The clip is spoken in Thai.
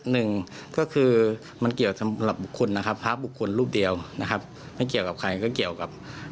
เงื่อมกันแบบนี้ไม่สมควรนะครับ